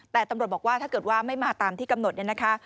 แต่ตำรวจบอกว่าถ้าเกิดว่าไม่มาตามที่กำหนดเนี่ยนะคะ